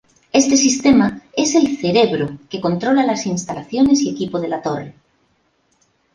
Este sistema es el "cerebro" que controla las instalaciones y equipo de la Torre.